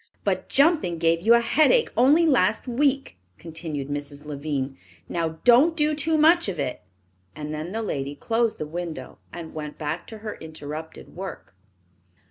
"But jumping gave you a headache only last week," continued Mrs. Lavine. "Now, don't do too much of it," and then the lady closed the window and went back to her interrupted work.